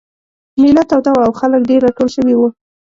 مېله توده وه او خلک ډېر راټول شوي وو.